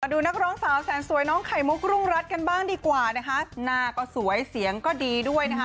ดูนักร้องสาวแสนสวยน้องไข่มุกรุงรัฐกันบ้างดีกว่านะคะหน้าก็สวยเสียงก็ดีด้วยนะคะ